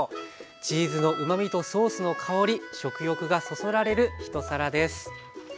チーズのうまみとソースの香り食欲がそそられる一皿です。